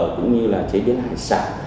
cũng như là chế biến hải sản